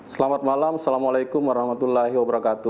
selamat malam assalamualaikum wr wb